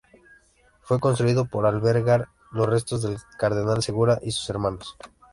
Fue construido para albergar los restos del cardenal Segura y de sus hermanos.